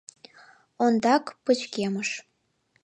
Ондак — пычкемыш.